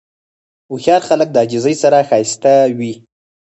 هوښیار خلک د عاجزۍ سره ښایسته وي.